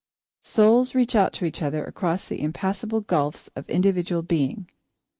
"Souls reach out to each other across the impassable gulfs of individual being."